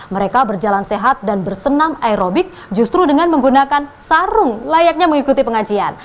mereka berjalan sehat dan bersenam aerobik justru dengan menggunakan sarung layaknya mengikuti pengajian